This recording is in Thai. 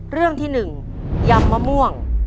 เรื่องที่๑ยำมะม่วง